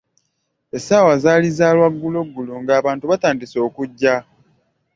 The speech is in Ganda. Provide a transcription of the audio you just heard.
Essaawa zaali za lwagguloggulo ng'abantu batandise okugya.